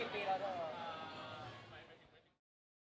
คือแฟนคลับเขามีเด็กเยอะด้วย